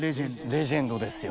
レジェンドですよ。